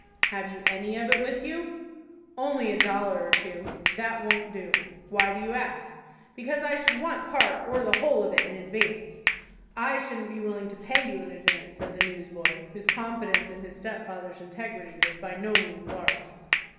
"Have you any of it with you?" "Only a dollar or two." "That won't do." "Why do you ask?" "Because I should want part or the whole of it in advance." "I shouldn't be willing to pay you in advance," said the newsboy, whose confidence in his stepfather's integrity was by no means large.